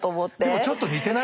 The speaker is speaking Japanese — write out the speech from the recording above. でもちょっと似てない？